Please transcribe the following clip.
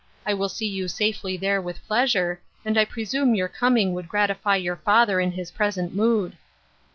I will see you safely there with pleasure, and I presume your coming would gratify your father in his present mood."